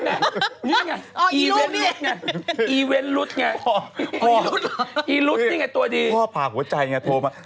นี่ไงอีเว้นลุดไงอีเว้นลุดไงตัวดีพ่อพาหัวใจไงโทรมา